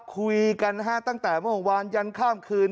คุยกันนะฮะตั้งแต่เมื่อวานยันข้ามคืน